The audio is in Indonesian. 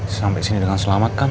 sampai sini dengan selamat kan